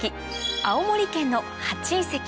青森県の８遺跡